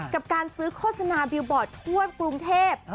กับการซื้อโฆษณาบิลบอร์ดทั่วกรุงเทพ